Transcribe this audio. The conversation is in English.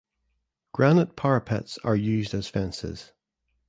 Granite parapets are used as fences.